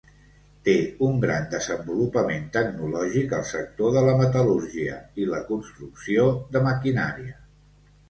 Té un gran desenvolupament tecnològic al sector de la metal·lúrgia i la construcció de maquinària.